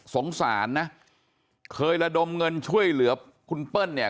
สงสารนะเคยระดมเงินช่วยเหลือคุณเปิ้ลเนี่ย